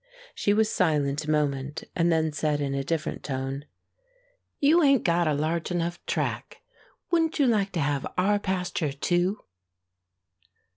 She was silent a moment, and then said, in a different tone: "You 'ain't got a large enough track. Wouldn't you like to have our pasture too?"